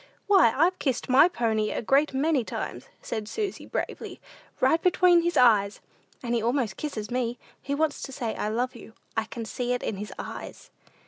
"Why, I've kissed my pony a great many times," said Susy, bravely, "right between his eyes; and he almost kisses me. He wants to say, 'I love you.' I can see it in his eyes."